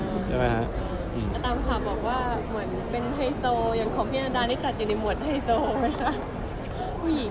อเรนนี่ตามค่ะบอกว่าเหมือนเป็นไทยโซ